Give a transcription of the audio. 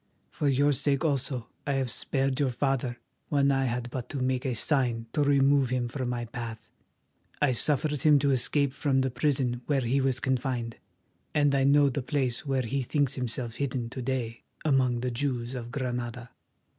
For your sake also I have spared your father when I had but to make a sign to remove him from my path. I suffered him to escape from the prison where he was confined, and I know the place where he thinks himself hidden to day among the Jews of Granada.